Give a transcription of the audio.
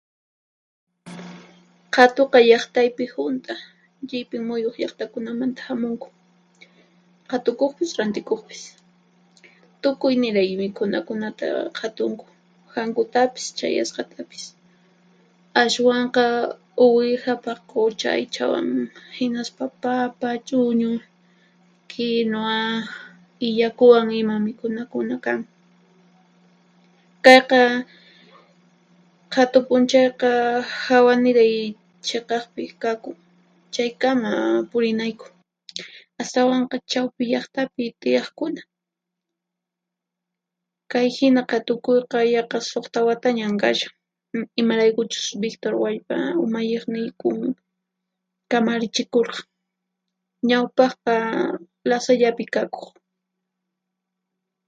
Qhatuqa llaqtaypi hunt'a llipin muyuq llaqtakunamanta hamunku, qhatukuqpis rantikuqpis. Tukuy niray mikhunakunata qhatunku, hankutapis chayasqatapis. Ashwanqa uwiha paqucha aychawan hinaspa papa, ch'uñu, kinuwa, illakuwan ima mikhunakuna kan. Kayqa qhatu p'unchayqa hawa niray chhiqaqpi kakun, chaykama purinayku, astawanqa chawpi llaqtapi tiyaqkuna. Kay hina qhatukuyqa yaqa suqta watañan kashan, imaraykuchus Victor Huallpa umalliqniykun kamarichikurqan. Ñawpaqqa lasallapi kakuq.